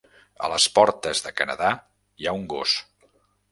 A les portes de Canadà hi ha un gos.